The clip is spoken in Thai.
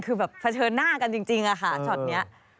คือแบบเผชิญหน้ากันจริงอะค่ะช็อตนี้